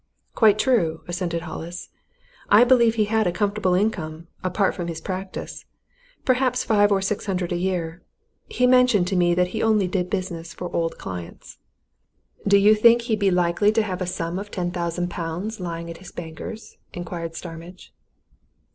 "Quite true," assented Hollis. "I believe he had a comfortable income, apart from his practice perhaps five or six hundred a year. He mentioned to me that he only did business for old clients." "Do you think he'd be likely to have a sum of ten thousand pounds lying at his bankers?" inquired Starmidge.